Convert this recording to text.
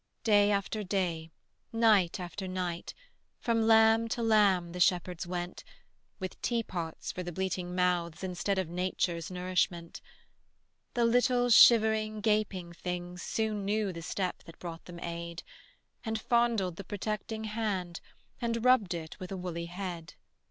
Day after day, night after night, From lamb to lamb the shepherds went, With teapots for the bleating mouths Instead of nature's nourishment. The little shivering gaping things Soon knew the step that brought them aid, And fondled the protecting hand, And rubbed it with a woolly head.